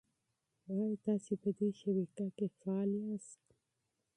ایا تاسي په دې شبکه کې فعال یاست؟